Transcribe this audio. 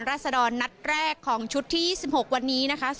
ศดรนัดแรกของชุดที่๒๖วันนี้นะคะ